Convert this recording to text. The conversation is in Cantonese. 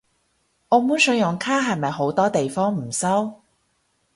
澳門信用卡係咪好多地方唔收？